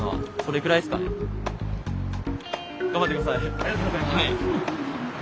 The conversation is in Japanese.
ありがとうございます。